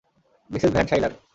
Mrs Van শাইলার!